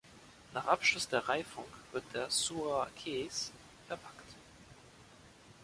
Nach Abschluss der Reifung wird der "Sura Kees" verpackt.